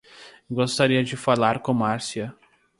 Gostaria de falar com Márcia.